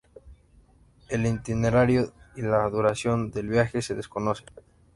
El itinerario y la duración del viaje se desconocen.